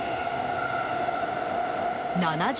７０